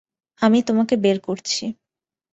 আমি তোমাকে বের করছি।